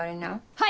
はい！